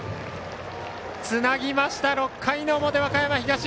つなぎました６回の表、和歌山東。